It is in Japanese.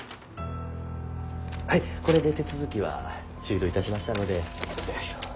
はいこれで手続きは終了いたしましたので。